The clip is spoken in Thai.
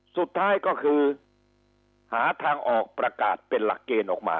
สุดท้ายก็คือหาทางออกประกาศเป็นหลักเกณฑ์ออกมา